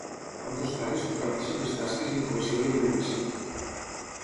Ambdós pares comparteixen les tasques incubació i alimentació.